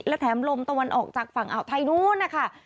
และแถมลมตะวันออกจากฝั่งอ่าวไทยนู้นนะคะ